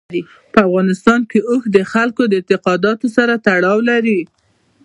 په افغانستان کې اوښ د خلکو د اعتقاداتو سره تړاو لري.